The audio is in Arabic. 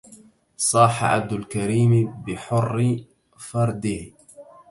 صاح عبد الكريم بحر فرده